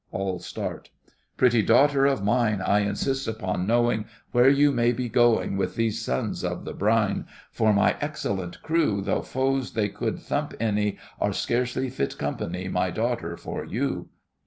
(All start.) Pretty daughter of mine, I insist upon knowing Where you may be going With these sons of the brine, For my excellent crew, Though foes they could thump any, Are scarcely fit company, My daughter, for you.